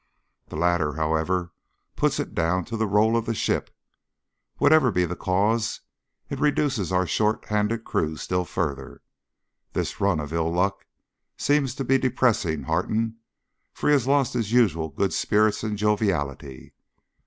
The latter, however, puts it down to the roll of the ship. Whatever be the cause, it reduces our shorthanded crew still further. This run of ill luck seems to be depressing Harton, for he has lost his usual good spirits and joviality.